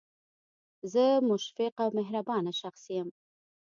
زه مشفق او مهربانه شخص یم